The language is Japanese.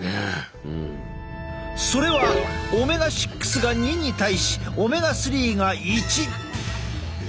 それはオメガ６が２に対しオメガ３が１。